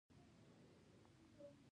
غرمه د کورنۍ د یووالي شیبه ده